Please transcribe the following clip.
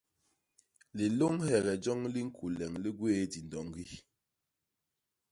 Lilôñhege joñ li ñkuleñ li gwéé didoñgi.